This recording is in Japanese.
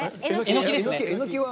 えのきは。